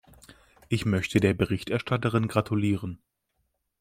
Ich möchte der Berichterstatterin gratulieren.